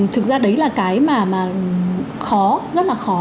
thực ra đấy là cái mà khó rất là khó